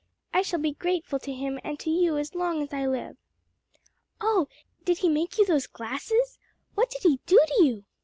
I shall be grateful to him and to you as long as I live!" "Oh, did he make you those glasses? what did he do to you?"